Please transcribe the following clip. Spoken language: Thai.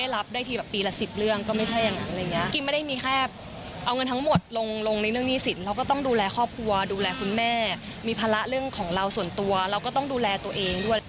เราก็ต้องดูแลครอบครัวดูแลคุณแม่มีภาระเรื่องของเราส่วนตัวเราก็ต้องดูแลตัวเองด้วย